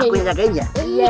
aku yang jagain ya